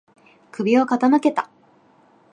首を傾けた。